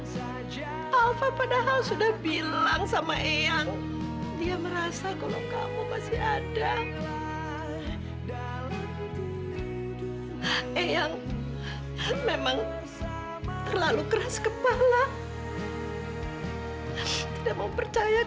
sampai jumpa di video selanjutnya